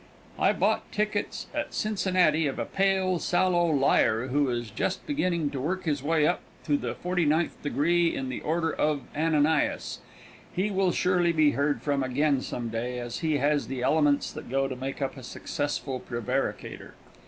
I bought tickets at Cincinnati of a pale, sallow liar, who is just beginning to work his way up to the forty ninth degree in the Order of Ananias. He will surely be heard from again some day, as he has the elements that go to make up a successful prevaricator.